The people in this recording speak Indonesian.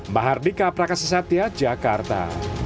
mbah hardika prakasisatya jakarta